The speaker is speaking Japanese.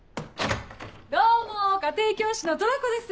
どうも家庭教師のトラコです！